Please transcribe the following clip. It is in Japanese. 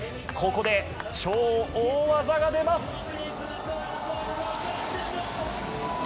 ここで超大技が出ます。